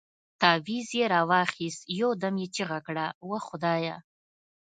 تاويز يې راوايست يو دم يې چيغه کړه وه خدايه.